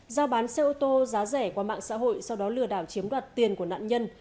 giao bán xe ô tô giá rẻ qua mạng xã hội sau đó lừa đảo chiếm đoạt tiền của nạn nhân